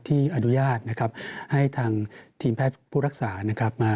อนุญาตนะครับให้ทางทีมแพทย์ผู้รักษานะครับมา